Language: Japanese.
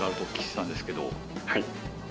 はい。